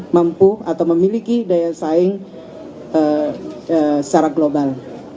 mampu atau memiliki daya saing secara global